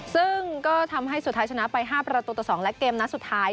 ซึ่งก็ทำให้สุดท้ายชนะไป๕ประตูต่อ๒และเกมนัดสุดท้าย